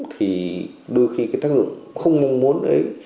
thì đôi khi cái tác dụng không mong muốn đấy